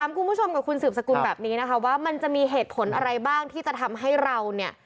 คุณผู้ชมกับคุณสืบสกุลแบบนี้นะคะว่ามันจะมีเหตุผลอะไรบ้างที่จะทำให้เราเนี่ย